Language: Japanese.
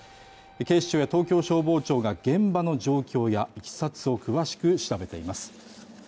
警視庁や東京消防庁が現場の状況やいきさつを詳しく調べています。